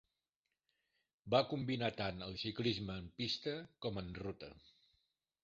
Va combinar tant el ciclisme en pista com en ruta.